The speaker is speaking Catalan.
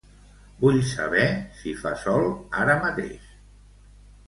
Vull saber si fa sol ara mateix.